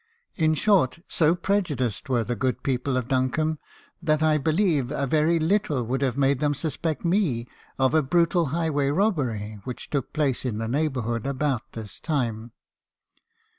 "In short, so prejudiced were the good people of Duncombe that I believe a very little would have made them suspect me of a brutal highway robbery, which took place in the neighbour hood about this time.